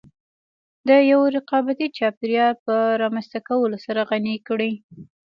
د يوه رقابتي چاپېريال په رامنځته کولو سره غني کړې.